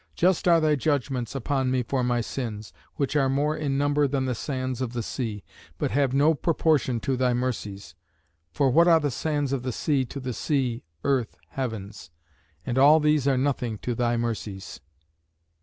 Just are thy judgements upon me for my sins, which are more in number than the sands of the sea, but have no proportion to thy mercies; for what are the sands of the sea to the sea, earth, heavens? and all these are nothing to thy mercies.